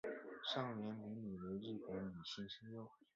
上原明里为日本女性声优。